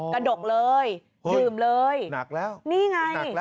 กระดกเลยลืมเลย